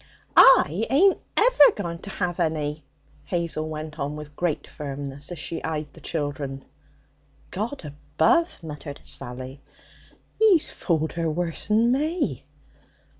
'I ain't ever going to have any,' Hazel went on with great firmness, as she eyed the children. 'God above!' muttered Sally. 'He's fooled her worse'n me!'